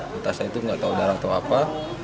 mentasnya itu enggak tahu darah atau apa